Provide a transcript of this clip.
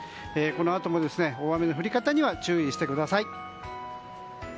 このあとも、大雨の降り方には注意をしてください。